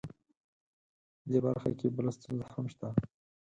دې برخه کې بله ستونزه هم شته